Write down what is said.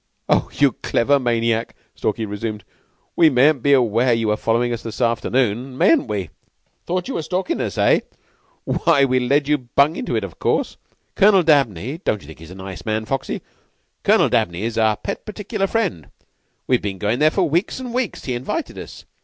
"Oh, you clever maniac!" Stalky resumed. "We mayn't be aware you were followin' us this afternoon, mayn't we? 'Thought you were stalkin' us, eh? Why, we led you bung into it, of course. Colonel Dabney don't you think he's a nice man, Foxy? Colonel Dabney's our pet particular friend. We've been goin' there for weeks and weeks, he invited us.